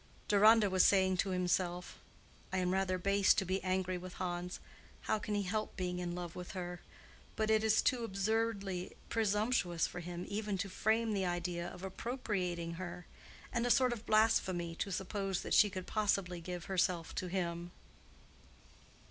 Deronda was saying to himself, "I am rather base to be angry with Hans. How can he help being in love with her? But it is too absurdly presumptuous for him even to frame the idea of appropriating her, and a sort of blasphemy to suppose that she could possibly give herself to him."